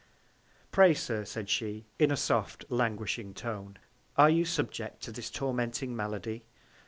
Pray Sir, said she, in a soft, languishing Tone, are you subject to this tormenting Malady?